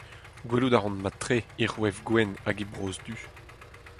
Gwelout a ran mat-tre he c’hoef gwenn hag he brozh du.